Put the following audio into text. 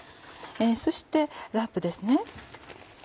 そしてラップですね。